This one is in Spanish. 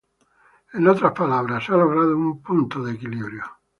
En otras palabras, se ha logrado un punto de equilibrio.